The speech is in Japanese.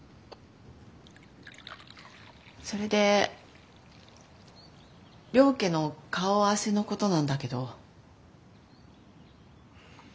それで両家の顔合わせのことなんだけど。